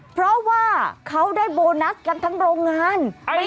เพราะว่าเขาได้โบนัสกันทั้งโรงงาน